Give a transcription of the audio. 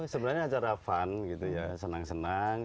sebenarnya acara fun gitu ya senang senang